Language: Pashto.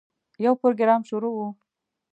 یو پروګرام شروع و.